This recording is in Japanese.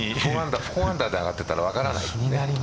４アンダーで上がってたら分からないって。